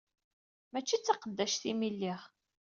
Mačči d taqeddact-im i lliɣ.